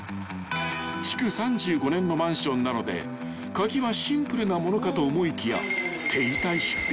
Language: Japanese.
［築３５年のマンションなので鍵はシンプルな物かと思いきや］